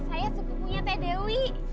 saya sepupunya teh dewi